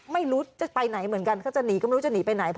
ไม่รู้จะไปไหนเหมือนกันเขาจะหนีก็ไม่รู้จะหนีไปไหน